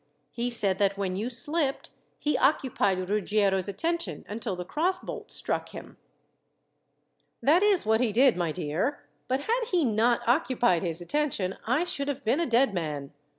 He said that when you slipped he occupied Ruggiero's attention until the cross bolt struck him." "That is what he did, my dear; but had he not occupied his attention I should have been a dead man.